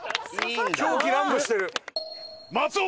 狂喜乱舞してる。